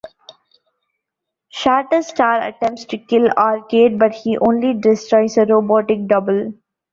Shatterstar attempts to kill Arcade, but he only destroys a robotic double.